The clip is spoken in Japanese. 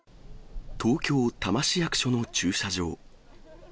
東京・多摩市役所の駐車場。